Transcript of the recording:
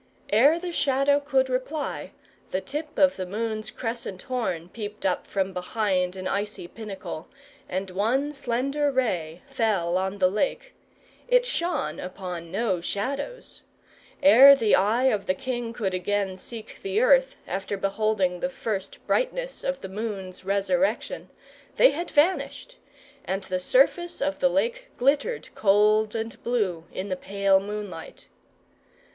Ere the Shadow could reply, the tip of the moon's crescent horn peeped up from behind an icy pinnacle, and one slender ray fell on the lake. It shone upon no Shadows. Ere the eye of the king could again seek the earth after beholding the first brightness of the moon's resurrection, they had vanished; and the surface of the lake glittered gold and blue in the pale moonlight.